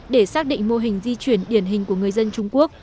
để xác định mô hình di chuyển điển hình của người dân trung quốc